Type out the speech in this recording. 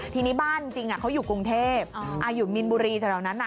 ทีนี้บ้านจริงเขาอยู่กรุงเทพอยู่มีนบุรีแถวนั้นน่ะ